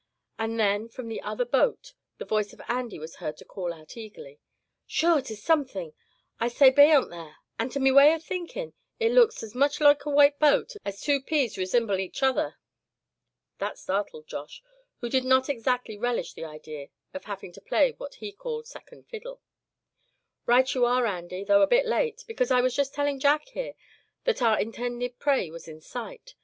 Just then from the other boat the voice of Andy was heard to call out eagerly: "Sure, 'tis something I say beyant there; and to me way of thinkin' it looks as much loike a white boat as two peas resimble aich ither!" That started Josh, who did not exactly relish the idea of having to play what he called "second fiddle." "Right you are, Andy, though a bit late, because I was just telling Jack here that our intended prey was in sight.